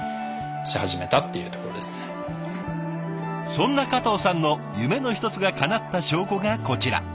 そんな加藤さんの夢の一つがかなった証拠がこちら。